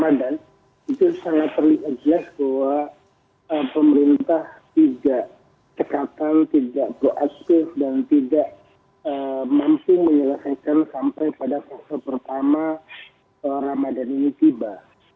ramadhan itu sangat terlihat jelas bahwa pemerintah tidak cekatan tidak proaktif dan tidak mampu menyelesaikan sampai pada fase pertama ramadan ini tiba